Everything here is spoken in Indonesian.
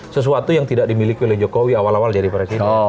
sesuatu yang tidak dimiliki oleh jokowi awal awal jadi presiden